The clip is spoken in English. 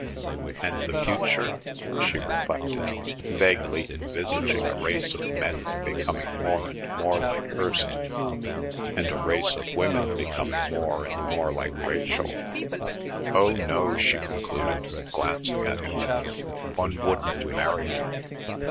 "And the future?" she reflected, vaguely envisaging a race of men becoming more and more like Hirst, and a race of women becoming more and more like Rachel. "Oh no," she concluded, glancing at him, "one wouldn't marry you.